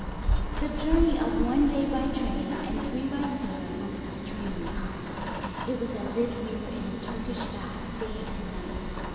The journey of one day by train and three by steamer was extremely hot. It was as if we were in a Turkish bath day and night.